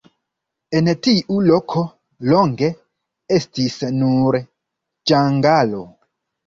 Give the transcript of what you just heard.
En tiu loko longe estis nur ĝangalo.